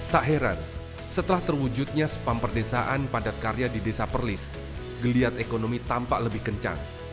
tak heran setelah terwujudnya spam perdesaan padat karya di desa perlis geliat ekonomi tampak lebih kencang